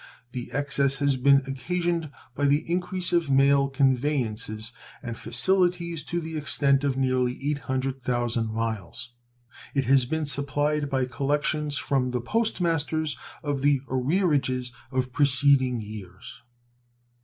The excess has been occasioned by the increase of mail conveyances and facilities to the extent of near 800,000 miles. It has been supplied by collections from the post masters of the arrearages of preceding years.